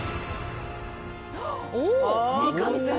三上さん